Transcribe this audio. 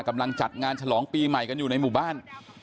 จัดงานฉลองปีใหม่กันอยู่ในหมู่บ้าน